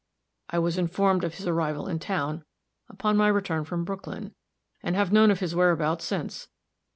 I was informed of his arrival in town, upon my return from Brooklyn, and have known of his whereabouts since.